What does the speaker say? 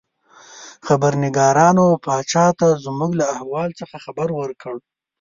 خبرنګارانو پاچا ته زموږ له احوال څخه خبر ورکړ.